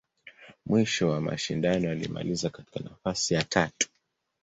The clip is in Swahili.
Mwisho wa mashindano, alimaliza katika nafasi ya tatu.